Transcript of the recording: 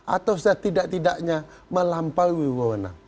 atau setidak tidaknya melampaui wawenang